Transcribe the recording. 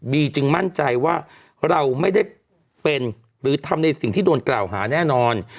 จึงมั่นใจว่าเราไม่ได้เป็นหรือทำในสิ่งที่โดนกล่าวหาแน่นอน